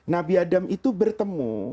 nabi adam itu bertemu